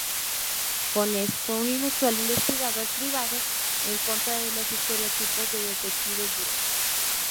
Jones fue un inusual investigador privado, en contra de los estereotipos de detectives duros.